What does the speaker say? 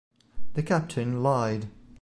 The captain lied.